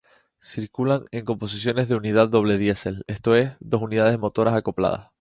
Circulan en composiciones de Unidad Doble Diesel, esto es, dos unidades motoras acopladas.